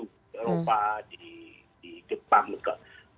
eropa di jepang juga